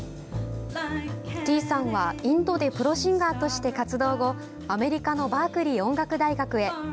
ｔｅａさんはインドでプロシンガーとして活動後アメリカのバークリー音楽大学へ。